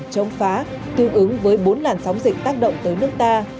chống phá tương ứng với bốn làn sóng dịch tác động tới nước ta